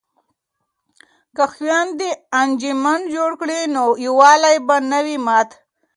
که خویندې انجمن جوړ کړي نو یووالی به نه وي مات.